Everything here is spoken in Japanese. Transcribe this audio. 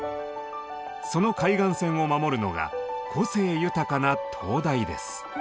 その海岸線を守るのが個性豊かな灯台です。